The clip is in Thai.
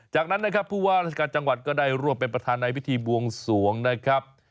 จากนั้นนะครับผู้ว่าราชการจังหวัดก็ได้ร่วมเป็นประธานในพิธีบวงสวงนะครับ